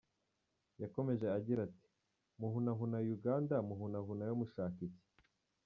Yakomeje agira ati “Muhunahuna Uganda, muhunahunayo mushaka iki?